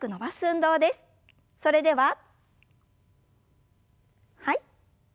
それでははい。